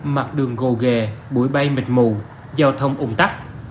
mặt đường gồ ghề bụi bay mịt mù giao thông ủng tắc